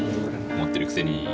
・持ってるくせに。